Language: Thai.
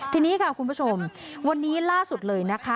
ทีนี้ค่ะคุณผู้ชมวันนี้ล่าสุดเลยนะคะ